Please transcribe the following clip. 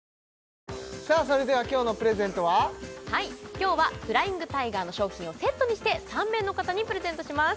今日はフライングタイガーの商品をセットにして３名の方にプレゼントします